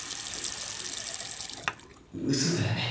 嘘だよね。